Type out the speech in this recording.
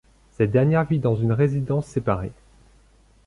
Cette dernière vit dans une résidence séparée.